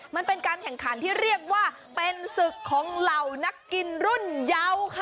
มันเป็นการแข่งขันที่เรียกว่าเป็นศึกของเหล่านักกินรุ่นเยาค่ะ